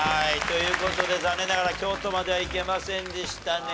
という事で残念ながら京都までは行けませんでしたね。